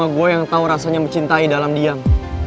karena cuma gua yang tau rasanya mencintai dalam diam